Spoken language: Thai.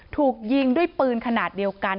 ถูกยิงด้วยปืนขนาดเดียวกัน